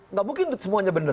nggak mungkin semuanya benar